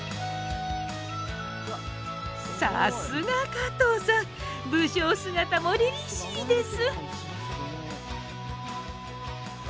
さすが加藤さん武将姿も凜々しいです！